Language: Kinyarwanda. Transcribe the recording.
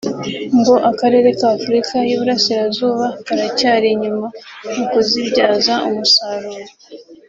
ngo akarere ka Afurika y’Iburasirazuba karacyari inyuma mu kuzibyaza umusaruro